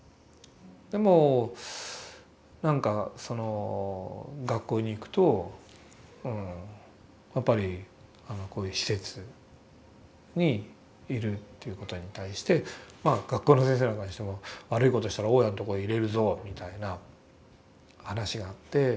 でもなんかその学校に行くとやっぱりこういう施設にいるということに対してまあ学校の先生なんかにしても悪いことしたら雄谷のとこへ入れるぞみたいな話があって。